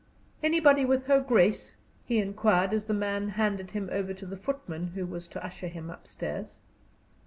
"Anybody with her grace?" he inquired, as the man handed him over to the footman who was to usher him up stairs.